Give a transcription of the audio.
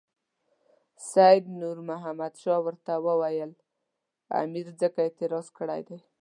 سید نور محمد شاه ورته وویل امیر ځکه اعتراض کړی دی.